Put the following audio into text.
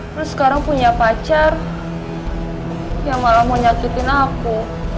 terus sekarang punya pacar yang malah mau nyakitin aku